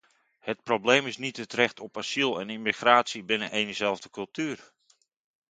Het probleem is niet het recht op asiel en immigratie binnen éénzelfde cultuur.